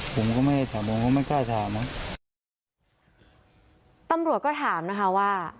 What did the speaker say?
ผมก็ไม่ถามผมก็ไม่กล้าถามนะตำรวจก็ถามนะคะว่า